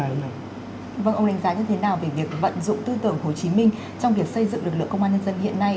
vâng ông đánh giá như thế nào về việc vận dụng tư tưởng hồ chí minh trong việc xây dựng lực lượng công an nhân dân hiện nay